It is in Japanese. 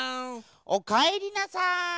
おかえりなさい。